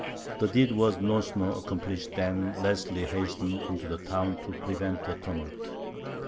The deed was no sooner accomplished, than Leslie hastened into the town to prevent a tumult.